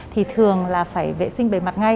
thì thường là phải vệ sinh bề mặt ngay